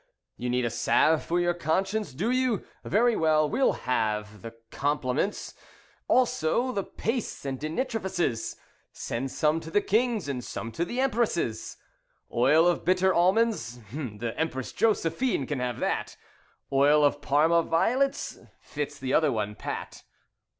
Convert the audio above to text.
You need a salve For your conscience, do you? Very well, we'll halve The compliments, also the pastes and dentifrices; Send some to the Kings, and some to the Empresses. 'Oil of Bitter Almonds' the Empress Josephine can have that. 'Oil of Parma Violets' fits the other one pat."